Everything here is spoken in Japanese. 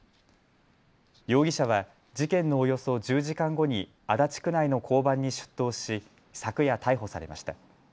容疑者は事件のおよそ１０時間後に足立区内の交番に出頭し昨夜、逮捕されました。